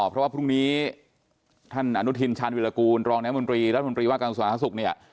เพราะว่าพรุ่งนี้ท่านอนุทินชาญวิรากูลรองแนะมนตรีรัฐมนตรีว่าการสวรรค์ศักดิ์ศุกร์